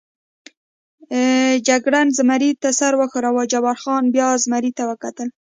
جګړن زمري ته سر و ښوراوه، جبار خان بیا زمري ته وکتل.